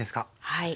はい。